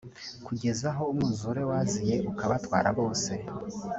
kugeza aho umwuzure waziye ukabatwara bose